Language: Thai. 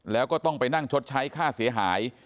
แล้วก็ต้องไปนั่งชดใช้ค่าเสียหาย